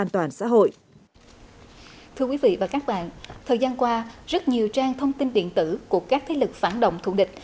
thưa quý vị và các bạn thời gian qua rất nhiều trang thông tin điện tử của các thế lực phản động thù địch